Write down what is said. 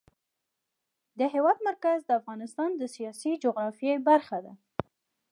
د هېواد مرکز د افغانستان د سیاسي جغرافیه برخه ده.